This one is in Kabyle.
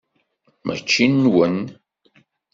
Mačči nwen.